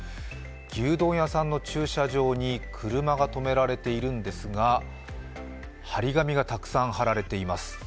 牛丼屋さんの駐車場に車が止められているんですが貼り紙がたくさん貼られています。